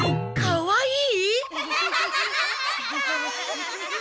「かわいい」！？